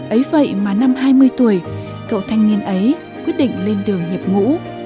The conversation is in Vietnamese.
ấy vậy mà năm hai mươi tuổi cậu thanh niên ấy quyết định lên đường nhập ngũ